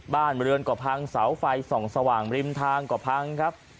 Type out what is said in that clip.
บ้านเรือนก็พังเสาไฟส่องสว่างริมทางก็พังครับ